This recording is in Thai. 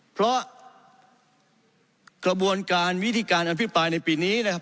เพราะกระบวนการวิธีการอภิปรายในปีนี้นะครับ